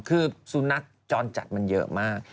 คือสุนัขจรจัดมันเยอะมาก